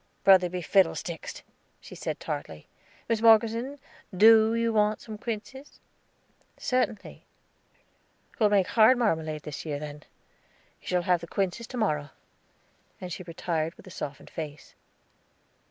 "Brother be fiddlesticked!" she said tartly. "Miss Morgeson, do you want some quinces?" "Certainly." "We'll make hard marmalade this year, then. You shall have the quinces to morrow." And she retired with a softened face.